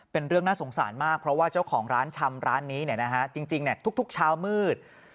เป็นเรื่องน่าสงสารมากเพราะว่าเจ้าของร้านชำร้านนี้จริงทุกเช้ามืด